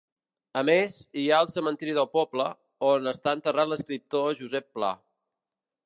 A més, hi ha el cementiri del poble, on està enterrat l'escriptor Josep Pla.